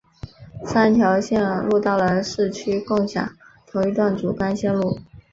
三条线路到了市区共享同一段主干线路。